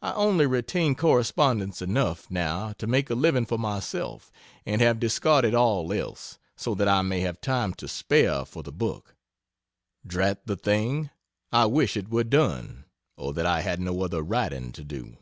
I only retain correspondence enough, now, to make a living for myself, and have discarded all else, so that I may have time to spare for the book. Drat the thing, I wish it were done, or that I had no other writing to do.